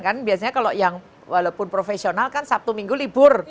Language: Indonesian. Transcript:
kan biasanya kalau yang walaupun profesional kan sabtu minggu libur